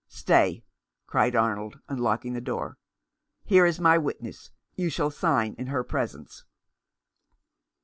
" Stay," cried Arnold, unlocking the door. " Here is my witness. You shall sign in her presence."